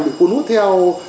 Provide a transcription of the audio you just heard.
được cuốn út theo